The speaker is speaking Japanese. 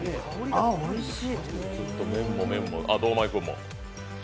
ああ、おいしい！